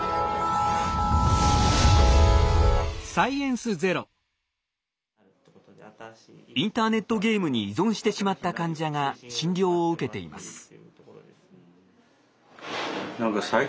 インターネットゲームに依存してしまった患者が診療を受けています。